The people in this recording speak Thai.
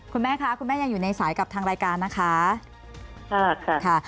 คุณแม่คะคุณแม่ยังอยู่ในสายกับทางรายการนะคะค่ะ